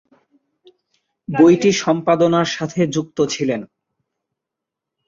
বইটি সম্পাদনার সাথে যুক্ত ছিলেন।